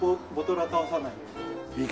はい。